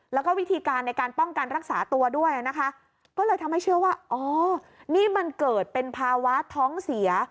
แล้วก็วิธีการในการป้องกันรักษาตัวด้วยนะคะก็เลยทำให้เชื่อว่าอ๋อนี่มันเกิดเป็นภาวะท้องเสีย